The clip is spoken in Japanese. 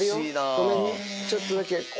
ごめんねちょっとだけ。